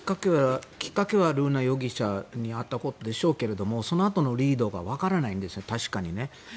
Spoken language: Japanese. きっかけは瑠奈容疑者にあったんでしょうけどそのあとのリードがわからないんですよね、確かに。